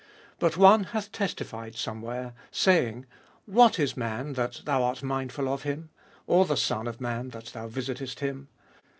6. But one hath testified somewhere, saying (Ps. viii. 5), What is man, that thou art mindful of him ? Or the Son of man, that thou visitest him